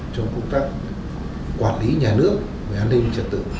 trong công tác quản lý nhà nước về an ninh trật tự